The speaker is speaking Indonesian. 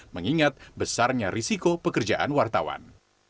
mengingat besarnya risiko pekerjaan wartawan